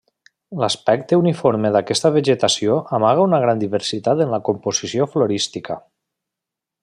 L’aspecte uniforme d’aquesta vegetació amaga una gran diversitat en la composició florística.